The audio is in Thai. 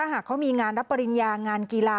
หากเขามีงานรับปริญญางานกีฬา